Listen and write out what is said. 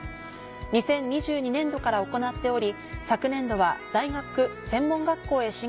２０２２年度から行っており。